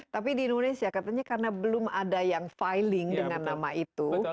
tapi di indonesia katanya karena belum ada yang filing dengan nama itu